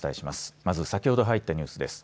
まず先ほど入ったニュースです。